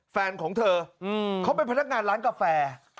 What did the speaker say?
แฟนของเธอเขาเป็นพนักงานร้านกาแฟ